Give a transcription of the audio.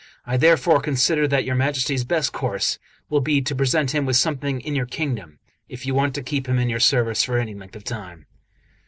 I therefore consider that your Majesty's best course will be to present him with something in your kingdom, if you want to keep him in your service for any length of time."